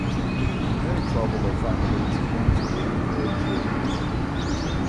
Many traveller families home-school their children.